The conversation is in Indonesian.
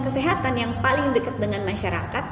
kesehatan yang paling dekat dengan masyarakat